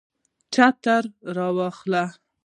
چترۍ را واخله